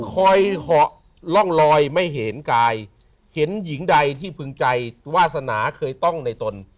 คอยเหาะร่องลอยไม่เห็นกายเห็นหญิงใดที่พึงใจวาสนาเคยต้องในตน